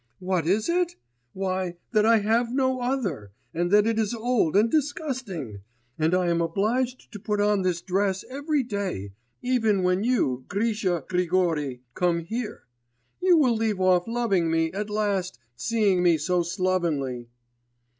'What is it? Why, that I have no other, and that it is old and disgusting, and I am obliged to put on this dress every day ... even when you Grisha Grigory, come here.... You will leave off loving me, at last, seeing me so slovenly!